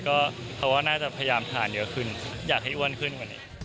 เพราะว่าน่าจะพยายามทานเยอะขึ้นอยากให้อ้วนขึ้นกว่านี้